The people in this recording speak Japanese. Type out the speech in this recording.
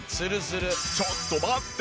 ちょっと待って！